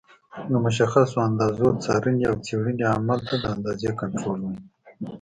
د مشخصو اندازو څارنې او څېړنې عمل ته د اندازې کنټرول وایي.